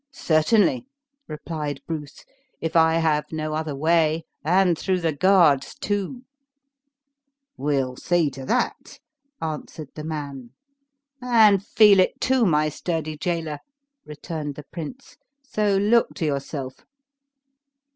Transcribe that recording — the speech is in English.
"Certainly," replied Bruce, "if I have no other way, and through the guards too." "We'll see to that," answered the man. "And feel it too, my sturdy jailer," returned the prince; "so look to yourself."